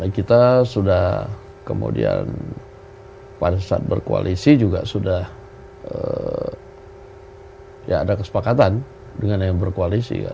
kita sudah kemudian pada saat berkoalisi juga sudah ya ada kesepakatan dengan yang berkoalisi